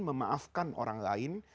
memaafkan orang lain